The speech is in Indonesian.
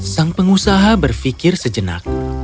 sang pengusaha berpikir sejenak